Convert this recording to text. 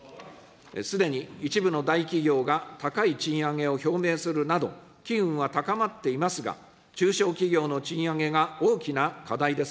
すでに一部の大企業が高い賃上げを表明するなど、機運は高まっていますが、中小企業の賃上げが大きな課題です。